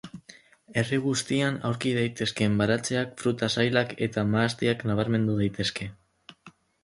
Herri guztian aurki daitezken baratzeak, fruta-sailak eta mahastiak nabarmendu daitezke.